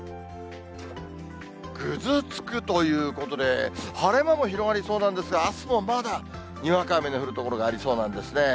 ぐずつくということで、晴れ間も広がりそうなんですが、あすもまだにわか雨の降る所がありそうなんですね。